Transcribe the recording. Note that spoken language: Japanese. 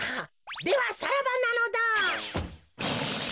ではさらばなのだ。